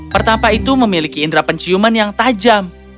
pertapa itu memiliki indera penciuman yang tajam